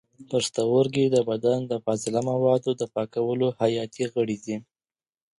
پښتورګي د بدن د فاضله موادو د پاکولو حیاتي غړي دي.